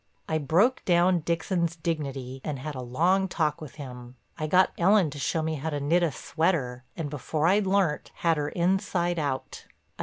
I broke down Dixon's dignity and had a long talk with him; I got Ellen to show me how to knit a sweater and before I'd learnt had her inside out.